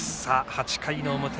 ８回の表。